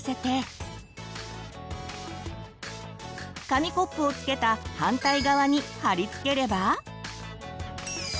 紙コップをつけた反対側に貼り付ければ。